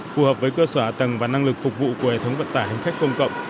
phù hợp với cơ sở ả tầng và năng lực phục vụ của hệ thống vận tải hành khách công cộng